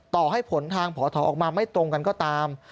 ต่อให้ผลทางพอถอออกมาไม่ตรงกันก็ตาม